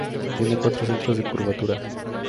Tiene cuatro centros de curvatura.